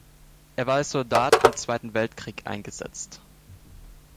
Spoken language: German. Er war als Soldat im Zweiten Weltkrieg eingesetzt.